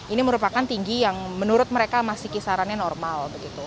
ini merupakan tinggi yang menurut mereka masih kisarannya normal